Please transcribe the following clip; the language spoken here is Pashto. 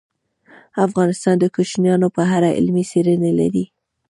افغانستان د کوچیانو په اړه علمي څېړنې لري.